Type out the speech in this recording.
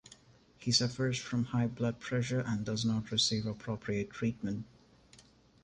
He suffers from high blood pressure and does not receive appropriate treatment.